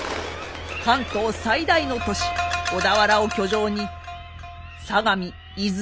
関東最大の都市小田原を居城に相模伊豆